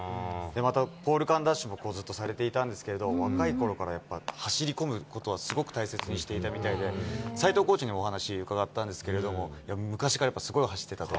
また、ポール間ダッシュもずっとされてたんですけど、若いころからやっぱり走り込むことはすごく大切にしていたみたいで、さいとうコーチにもお話伺ったんですけど、昔からすごい走ってたと。